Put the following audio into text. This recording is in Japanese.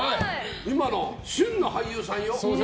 今の旬の俳優さんよ。